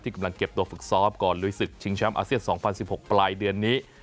กำลังเก็บตัวฝึกซ้อมก่อนลุยศึกชิงแชมป์อาเซียน๒๐๑๖ปลายเดือนนี้